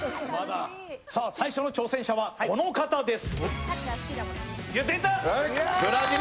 最初の挑戦者は、この方です。